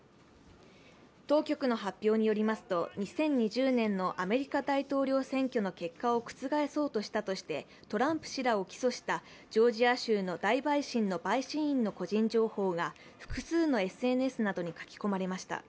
当局の発表によりますと２０２０年のアメリカ大統領選挙の結果を覆そうとしたとしてトランプ氏らを起訴したジョージア州の大陪審の陪審員の個人情報が複数のＳＮＳなどに書き込まれました。